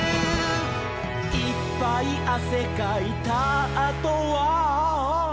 「いっぱいあせかいたあとは」